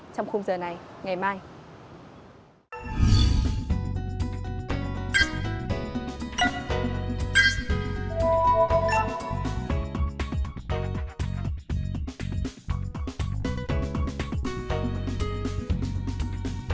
trong khung giờ này ngày mai